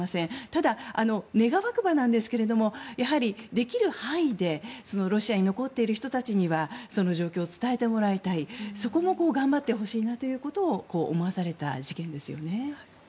ただ、願わくばなんですがやはり、できる範囲でロシアに残っている人たちにはその状況を伝えてもらいたいそこも頑張ってほしいなということを思わされた事件ですね。